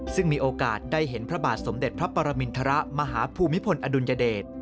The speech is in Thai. ซึ่งมีโอกาสได้เห็นพระบาทสมเด็จพระปรมินทรมาฮภูมิพลอดุลยเดช